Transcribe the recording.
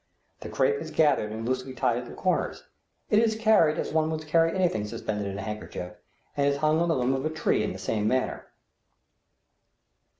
The crape is gathered and loosely tied at the corners. It is carried as one would carry anything suspended in a handkerchief, and is hung on the limb of a tree in the same manner.